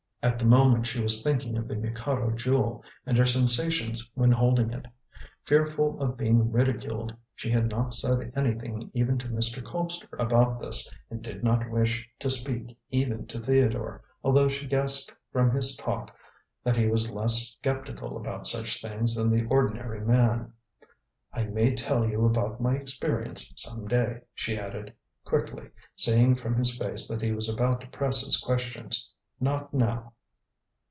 At the moment, she was thinking of the Mikado Jewel and her sensations when holding it. Fearful of being ridiculed, she had not said anything even to Mr. Colpster about this, and did not wish to speak even to Theodore, although she guessed from his talk that he was less sceptical about such things than the ordinary man. "I may tell you about my experience some day," she added, quickly, seeing from his face that he was about to press his questions. "Not now."